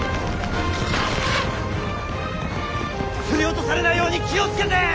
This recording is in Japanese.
振り落とされないように気を付けて！